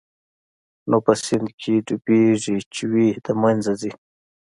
نو په سيند کښې ډوبېږي چوي د منځه ځي.